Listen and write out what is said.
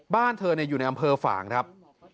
บ้านเธออยู่ในอำเภอฝ่างครับ